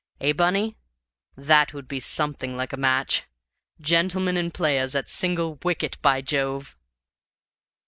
Eh, Bunny? That would be something like a match. Gentlemen and Players at single wicket, by Jove!"